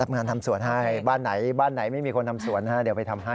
รับงานทำสวนให้บ้านไหนไม่มีคนทำสวนเดี๋ยวไปทำให้